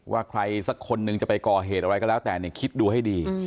ว่าใครสักคนนึงจะไปก่อเหตุอะไรก็แล้วแต่เนี่ยคิดดูให้ดี